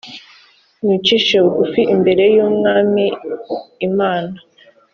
mwicishe bugufi imbere y umwami imana